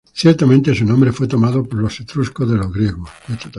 Ciertamente, su nombre fue tomado por los etruscos de los griegos.